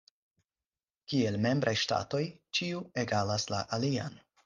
Kiel membraj ŝtatoj, ĉiu egalas la alian.